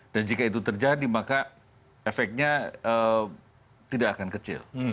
dan jika itu terjadi maka efeknya tidak akan kecil